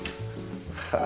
はあ。